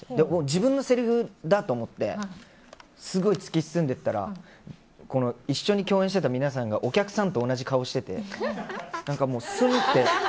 自分のせりふだと思ってすごい突き進んでいったら一緒に共演してた皆さんがお客さんと同じ顔しててスンって。